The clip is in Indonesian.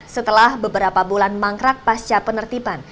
setelah beberapa bulan mangkrak pasca penertiban